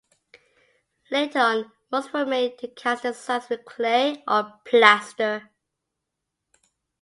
Later on, moulds were made to cast the designs with clay or plaster.